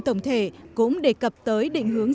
tổng thể cũng đề cập tới định hướng